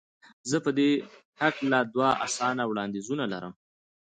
زه په دې هکله دوه اسانه وړاندیزونه لرم.